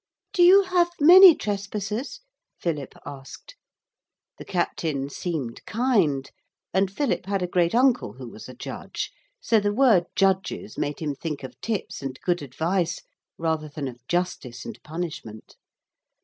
'Do you have many trespassers?' Philip asked. The captain seemed kind, and Philip had a great uncle who was a judge, so the word judges made him think of tips and good advice, rather than of justice and punishment.